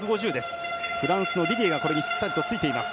フランスのディディエがしっかりとついています。